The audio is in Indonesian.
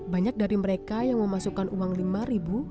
banyak dari mereka yang memasukkan uang lima ribu